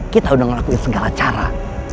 kita udah ngelakuin segala cara